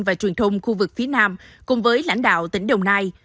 và truyền thông khu vực phía nam cùng với lãnh đạo tỉnh đồng nai